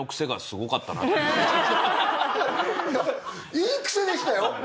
いいクセでしたよ！